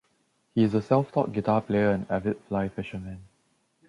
He is a self-taught guitar player and avid fly fisherman.